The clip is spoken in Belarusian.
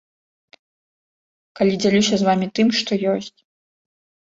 Калі дзялюся з вамі тым, што ёсць.